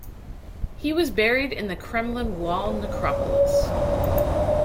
He was buried in the Kremlin Wall Necropolis.